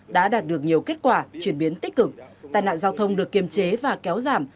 đã đạt được nhiều kết quả chuyển biến tích cực tài nạn giao thông được kiềm chế và kéo giảm